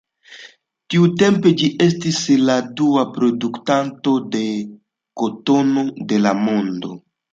Tiutempe, ĝi estis la dua produktanto de kotono de la mondo.